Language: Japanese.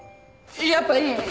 やっぱいい！